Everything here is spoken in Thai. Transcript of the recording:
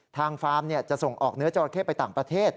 ฟาร์มจะส่งออกเนื้อจราเข้ไปต่างประเทศ